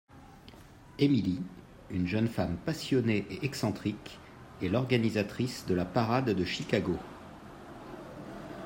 Emily, une jeune femme passionnée et excentrique, est l'organisatrice de la parade de Chicago.